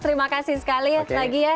terima kasih sekali lagi ya